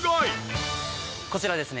こちらですね